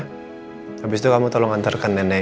habis itu kamu tolong antarkan nenek